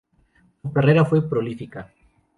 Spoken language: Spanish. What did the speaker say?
Su carrera fue prolífica.